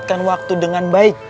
berikan waktu dengan baik